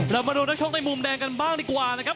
เรามาดูนักชกในมุมแดงกันบ้างดีกว่านะครับ